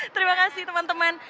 terima kasih teman teman